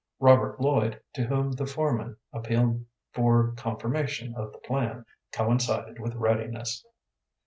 Robert Lloyd, to whom the foreman appealed for confirmation of the plan, coincided with readiness.